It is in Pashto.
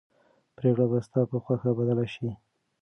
پرېکړه به ستا په خوښه بدله شي.